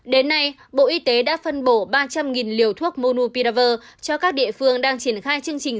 đến nay bộ y tế đã phân bổ ba trăm linh liều thuốc monu piraver cho các địa phương đang triển khai chương trình